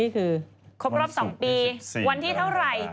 คือครบรอบ๒ปีวันที่เท่าไหร่